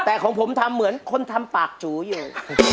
แต่ของผมทำเหมือนคนทำปากจูอยู่